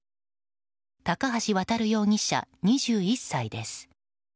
高橋渉容疑者、２１歳です。